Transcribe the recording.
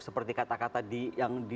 seperti kata kata yang